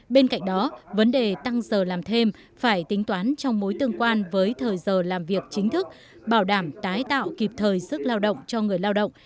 bên cạnh đó vấn đề tăng giờ làm thêm phải tính toán trong mối tương quan với thời giờ làm việc chính thức bảo đảm tái tạo kịp thời sức lao động cho người lao động